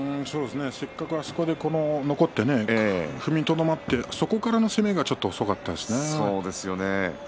あそこで残ってね踏みとどまってそこからの攻めが遅かったですね。